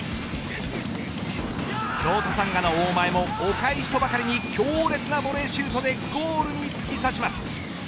京都サンガの大前もお返しとばかりに強烈なボレーシュートでゴールに突き刺します。